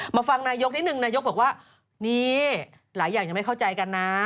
ฟังนายกนิดนึงนายกบอกว่านี่หลายอย่างยังไม่เข้าใจกันนะ